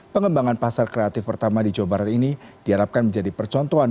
pengembangan pasar kreatif pertama di jawa barat ini diharapkan menjadi percontohan